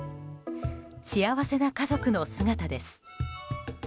幸せな家族の姿です。